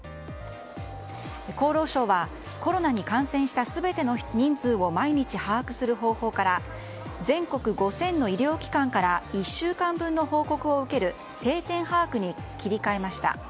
厚労省はコロナに感染した全ての人数を毎日把握する方法から全国５０００の医療機関から１週間分の報告を受ける定点把握に切り替えました。